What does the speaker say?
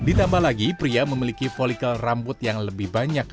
ditambah lagi pria memiliki volikel rambut yang lebih banyak